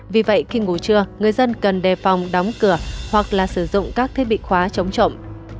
vì vậy khi ngủ trưa người dân cần đề phòng đóng cửa hoặc là sử dụng các thiết bị khóa chống trộm